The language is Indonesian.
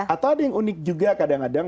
atau ada yang unik juga kadang kadang